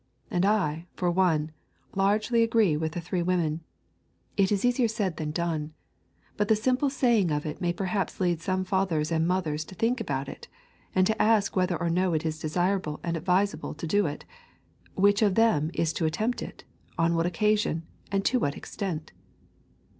And I, for one, largely agree with the three women. It is easier said than done. But the simple saying of it may perhaps lead some fathers and mothers to think about it, and to ask whether or no it is desirable and advisable to do it, which of them is to attempt it, on what occasion, and to what extent.